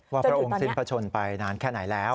พระองค์สิ้นพระชนไปนานแค่ไหนแล้ว